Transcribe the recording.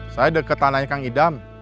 saya dekat tanahnya kang idam